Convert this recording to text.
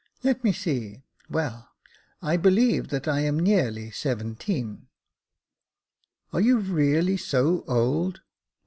let me see; well, I believe that I am nearly seventeen." " Are you really so old